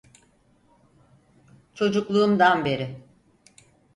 Çocukluğumdan beri.